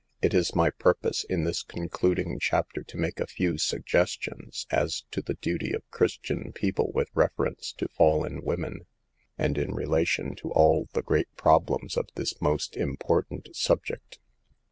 It is my purpose, in this concluding chapter, to make a few suggestions as to the duty of Christian people with reference to fallen women ; and in relation to all the great problems of this most important subject.